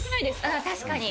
ああ確かに。